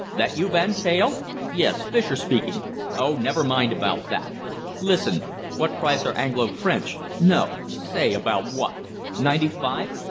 "That you, Van Teyl?... Yes, Fischer speaking. Oh, never mind about that! Listen. What price are Anglo French?... No, say about what?... Ninety five?...